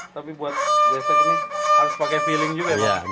tapi buat gesek ini harus pakai feeling juga bang